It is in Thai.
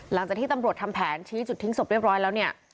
หลังจากที่ตำรวจทำแผนชี้จุดทิ้งศพเรียบร้อยแล้วเนี่ย